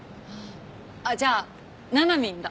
あっじゃあななみんだ。